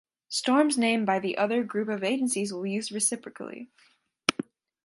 Storms named by the other group of agencies will be used reciprocally.